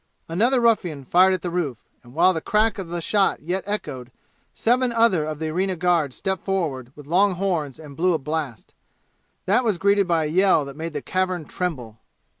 Another ruffian fired at the roof, and while the crack of the shot yet echoed seven other of the arena guards stepped forward with long horns and blew a blast. That was greeted by a yell that made the cavern tremble.